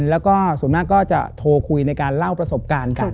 แล้วก็ส่วนมากก็จะโทรคุยในการเล่าประสบการณ์กัน